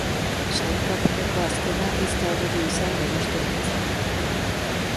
Sailkapeneko azkena ez da arerio izan donostiarrentzat.